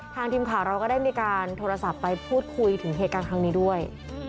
ทีมข่าวเราก็ได้มีการโทรศัพท์ไปพูดคุยถึงเหตุการณ์ครั้งนี้ด้วย